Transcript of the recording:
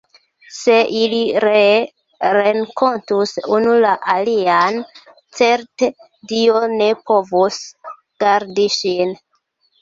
Se ili ree renkontus unu la alian, certe Dio ne povus gardi ŝin!